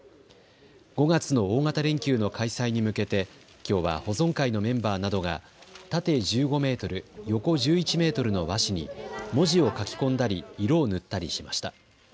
５月の大型連休の開催に向けてきょうは保存会のメンバーなどが縦１５メートル、横１１メートルの和紙に文字を書き込んだり色を塗ったりしました。